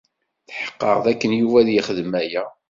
Tḥeqqeɣ dakken Yuba ad yexdem aya.